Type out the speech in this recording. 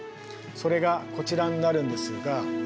それがこちらになるんですが。